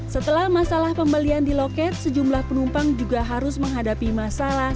setelah masalah pembelian di loket sejumlah penumpang juga harus menghadapi masalah